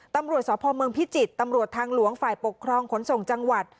ตำรวจสพเมืองพิจิตรตำรวจทางหลวงฝ่ายปกครองขนส่งจังหวัด